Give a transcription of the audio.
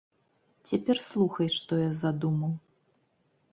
Цяпер слухай, што я задумаў.